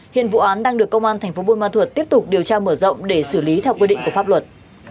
hiện vụ án đang được công an tp bôn ma thuật tiếp tục điều tra mở rộng để xử lý theo quy định của pháp luật